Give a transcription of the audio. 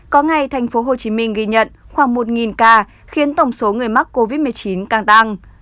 có ngày tp hcm ghi nhận khoảng một ca khiến tổng số người mắc covid một mươi chín càng tăng